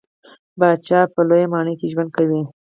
پاچا په لويه ماڼۍ کې ژوند کوي .